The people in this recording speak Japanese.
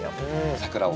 桜を？